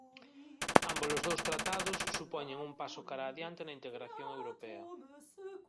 Ámbolos dous tratados supoñen un paso cara adiante na integración europea.